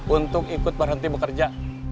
untuk ikut berhenti bekerja